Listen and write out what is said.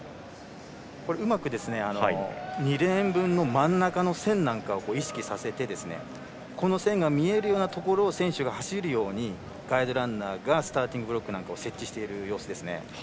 うまく２レーン分の真ん中の線なんかを意識させてこの線が見えるようなところを選手が走るようにガイドランナーがスターティングブロックを設置している様子ですね。